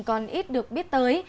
còn ít được biết tới